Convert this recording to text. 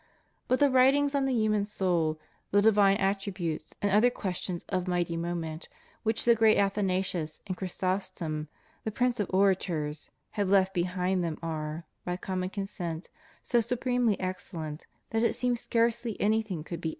^ But the writings on the human soul, the divine attributes, and other questions of mighty moment which the great Athanasius and Chrysostom, the prince of orators, have left behind them are, by common consent, so supremely excellent that it seems scarcely anything could be added ^ Epist.